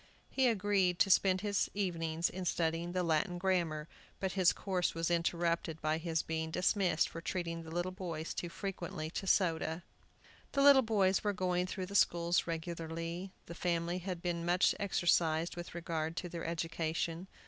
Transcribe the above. He agreed to spend his evenings in studying the Latin grammar; but his course was interrupted by his being dismissed for treating the little boys too frequently to soda. The little boys were going through the schools regularly. The family had been much exercised with regard to their education.